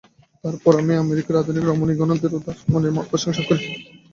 তারপর, আমি আমেরিকার আধুনিক রমণীগণের উদার মনের প্রশংসা করি।